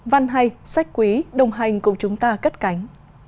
văn hay sách quý đồng hành cùng chúng ta cất cánh